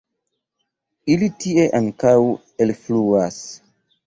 Ili tie ankaŭ elfluas.